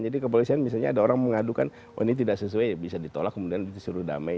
jadi kepolisian misalnya ada orang mengadukan oh ini tidak sesuai ya bisa ditolak kemudian disuruh damai